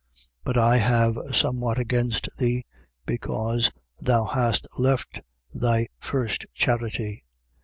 2:4. But I have somewhat against thee, because thou hast left thy first charity.